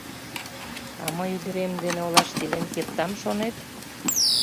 А мый ӱдырем дене олаште илен кертам, шонет?